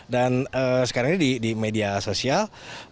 dan sekarang ini di media sosial